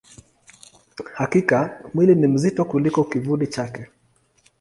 Hakika, mwili ni mzito kuliko kivuli chake.